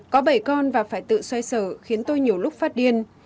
có bảy con và phải tự xoay sở khiến tôi nhiều lúc phát điên